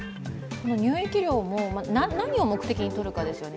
入域料も何を目的に取るかですよね。